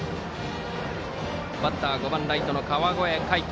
バッターは５番ライトの川越魁斗。